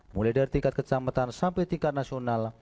mulai dari tingkat kecamatan sampai tingkat nasional